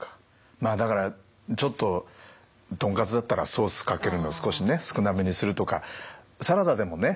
まあだからちょっと豚カツだったらソースかけるの少し少なめにするとかサラダでもね